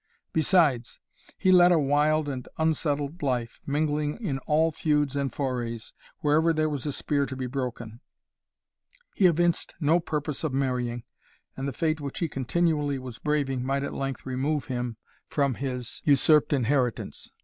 Besides, he led a wild and unsettled life, mingling in all feuds and forays, wherever there was a spear to be broken; he evinced no purpose of marrying, and the fate which he continually was braving might at length remove him from his usurped inheritance.